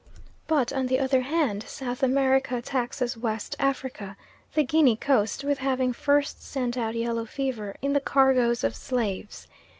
But, on the other hand, South America taxes West Africa the Guinea Coast with having first sent out yellow fever in the cargoes of slaves.